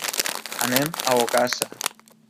Anem a Ogassa.